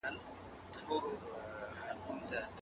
پوټکی تازه پاتې کیږي.